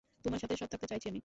তোমার সাথে সৎ থাকতে চাইছি আমি।